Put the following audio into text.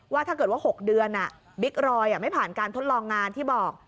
ถ้าเกิดว่า๖เดือนบิ๊กรอยไม่ผ่านการทดลองงานที่บอก